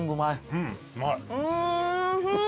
うんうまい。